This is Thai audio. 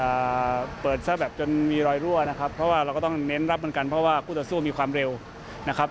แทบทบปลูกสาวแบบมีรอยรั่วนะครับเพราะว่าเราก็ต้องเน้นรับเงื่อนกันเพราะว่ากุฏสู้มีความเร็วนะครับ